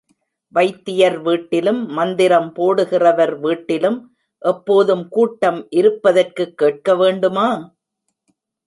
வைத்தியர் வீட்டிலும், மந்திரம் போடுகிறவர் வீட்டிலும் எப்போதும் கூட்டம் இருப்பதற்குக் கேட்க வேண்டுமா?